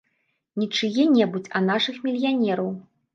Не чые-небудзь, а нашых мільянераў.